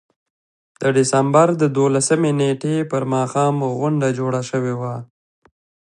د ډسمبر د دولسمې نېټې پر ماښام غونډه جوړه شوه.